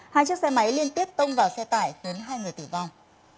hai chiếc xe máy liên tiếp tông vào xe tải khiến hai người tử vong